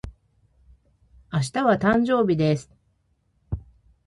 明日は、誕生日です。